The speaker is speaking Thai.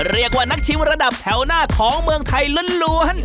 เรียกว่านักชิมระดับแถวหน้าของเมืองไทยล้วน